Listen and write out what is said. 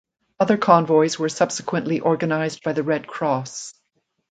Other convoys were subsequently organized by the Red Cross.